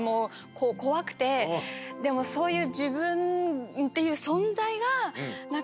でもそういう。